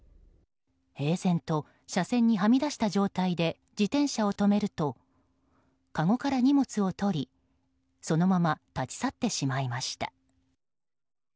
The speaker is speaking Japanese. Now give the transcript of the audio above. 平然と車線にはみ出した状態で自転車を止めるとかごから荷物を取りそのまま立ち去ってしまいました。